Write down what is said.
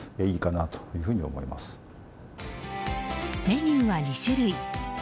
メニューは２種類。